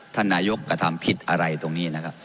ท่านนายกกระทำผิดอะไรตรงนี้นะครับ